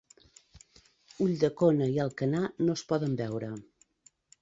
Ulldecona i Alcanar no es poden veure.